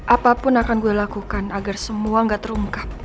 apapun akan gue lakukan agar semua gak terungkap